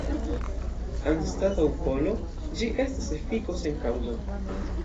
Anstataŭ volo, ĝi estas efiko sen kaŭzo.